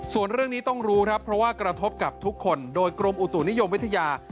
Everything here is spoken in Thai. ส่วนเรื่องนี้ต้องรู้ครับเพราะว่ากระทบกับทุกคนโดยกรมอุตุนิยมวิทยา